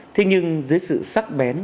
thế nhưng dưới sự sắc bén